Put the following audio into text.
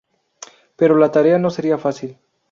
Pero la tarea no sería fácil.